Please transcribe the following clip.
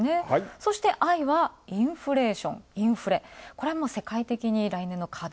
そして、Ｉはインフレーション、インフレ、これ、もう世界的に来年の課題。